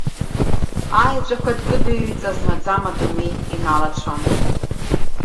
Аеҵәақәа кыдыҩҩы ҵа-змаӡам адунеи иналацәон…